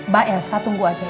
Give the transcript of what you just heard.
mau sampe kapan